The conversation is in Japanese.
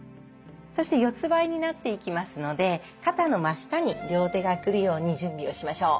そして四つばいになっていきますので肩の真下に両手が来るように準備をしましょう。